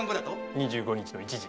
２５日の１時。